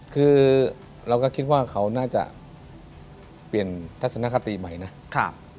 คือเราก็คิดว่าเขาน่าจะเปลี่ยนทัศนคติใหม่นะครับ